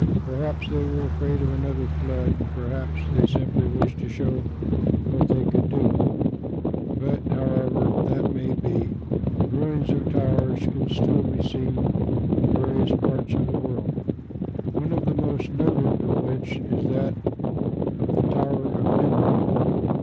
Perhaps they were afraid of another flood, and perhaps they simply wished to show what they could do; but however that may be, ruins of towers can still be seen in various parts of the world, one of the most noted of which is that of the "Tower of Nimrod."